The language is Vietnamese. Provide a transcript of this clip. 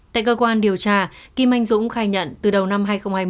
tại cơ quan điều tra kim anh dũng khai nhận từ đầu năm hai nghìn hai mươi